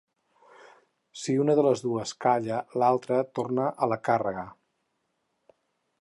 Si una de les dues calla l'altra torna a la càrrega.